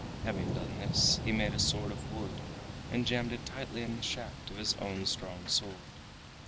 Having done this he made a sword of wood and jammed it tightly in the shaft of his own strong sword.